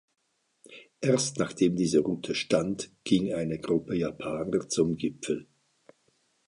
Erst nachdem diese Route stand, ging eine Gruppe Japaner zum Gipfel.